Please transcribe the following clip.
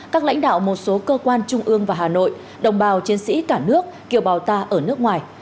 các lãnh đạo một số cơ quan trung ương và hà nội đồng bào chiến sĩ cả nước kiều bào ta ở nước ngoài